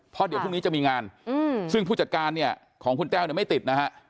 เพราะเดี๋ยวพรุ่งนี้จะมีงานซึ่งผู้จัดการของคุณแต้วไม่ติด